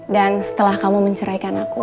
dan setelah kamu menceraikan aku